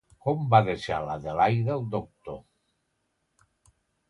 Com va deixar l'Adelaida el doctor.